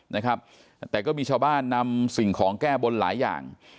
นะครับแต่ก็มีชาวบ้านนำสิ่งของแก้บนหลายอย่าง